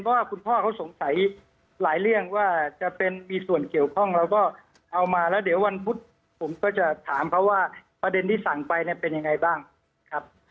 เพราะว่าคุณพ่อเขาสงสัยหลายเรื่องว่าจะเป็นมีส่วนเกี่ยวข้องเราก็เอามาแล้วเดี๋ยววันพุธผมก็จะถามเขาว่าประเด็นที่สั่งไปเนี่ยเป็นยังไงบ้างครับ